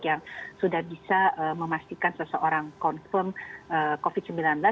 yang sudah bisa memastikan seseorang confirm covid sembilan belas